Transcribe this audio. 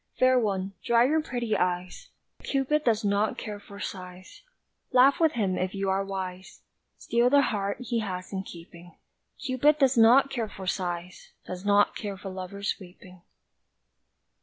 Fair One, dry your pretty eyes, Cupid does not care for sighs, Laugh with him if you are wise, Steel the heart he has in keeping; Cupid does not care for sighs Does not care for lover's weeping!